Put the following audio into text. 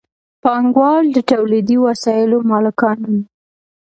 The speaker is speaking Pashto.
پانګوال د تولیدي وسایلو مالکان وي.